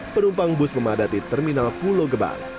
penumpang bus memadati terminal pulau gebang